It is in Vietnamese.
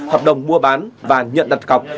hợp đồng mua bán và nhận đặt cọc